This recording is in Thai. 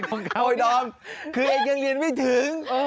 ไอ้ดอมคือเองยังเรียนไม่ถึง